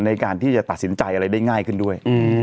ในการที่จะตัดสินใจอะไรได้ง่ายขึ้นด้วย